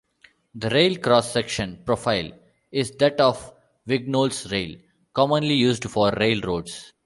The rail cross-section profile is that of a Vignoles rail, commonly used for railroads.